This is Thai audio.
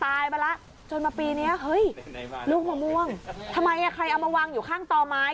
ทำไมอ่ะใครเอามาวางอยู่ข้างตอไม้